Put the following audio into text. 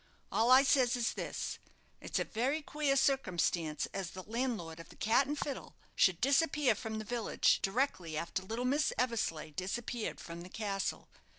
All I says is this: it's a very queer circumstance as the landlord of the 'Cat and Fiddle' should disappear from the village directly after little Miss Eversleigh disappeared from the castle.